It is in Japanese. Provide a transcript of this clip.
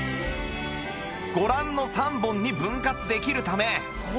ご覧の３本に分割できるため